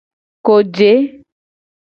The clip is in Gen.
Koje.